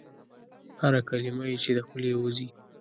هره کلمه چي یې د خولې وزي ؟